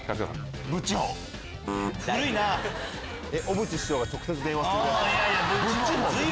小渕首相が直接電話するやつ。